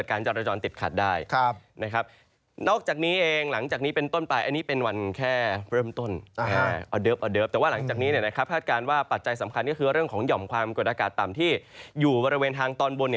กดอากาศต่ำที่อยู่บริเวณทางตอนบน